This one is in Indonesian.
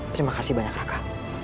terima kasih banyak raka